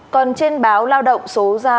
còn trên báo lao động số ra